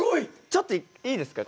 ちょっといいですか？